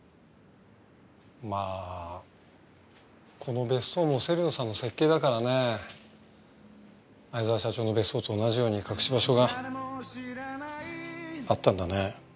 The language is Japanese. まあこの別荘も芹野さんの設計だからね逢沢社長の別荘と同じように隠し場所があったんだね。